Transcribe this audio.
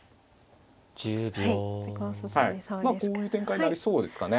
こういう展開になりそうですかね。